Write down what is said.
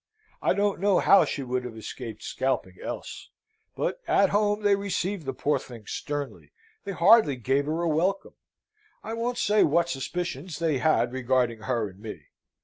I don't know how she would have escaped scalping else. But at home they received the poor thing sternly. They hardly gave her a welcome. I won't say what suspicions they had regarding her and me.